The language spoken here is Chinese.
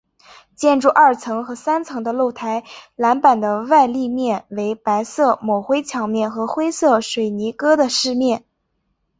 建筑二层和三层的露台栏板的外立面为白色抹灰墙面和灰色水泥疙瘩饰面。